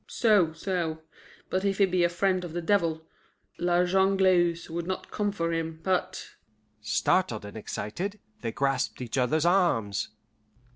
"So, so. But if he be a friend of the devil, La Jongleuse would not come for him, but " Startled and excited, they grasped each other's arms.